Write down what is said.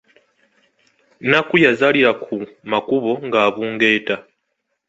Nnakku yazaalira ku makubo ng'abungeeta.